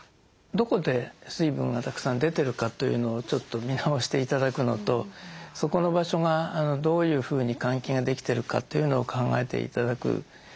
どこで水分がたくさん出てるかというのをちょっと見直して頂くのとそこの場所がどういうふうに換気ができてるかというのを考えて頂く。